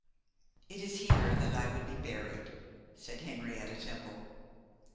'It is here that I would be buried,' said Henrietta Temple.